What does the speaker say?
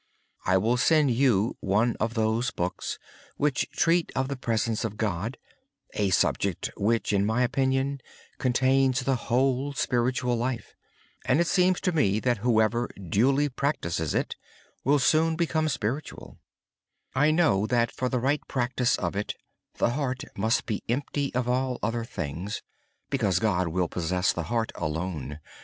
I will send you one of those books about the presence of God; a subject which, in my opinion, contains the whole spiritual life. It seems to me that whoever duly practices it will soon become devout. I know that for the right practice of it, the heart must be empty of all other things; because God will possess the heart alone.